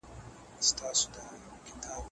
ممکن زده کړه په پښتو اسانه وي.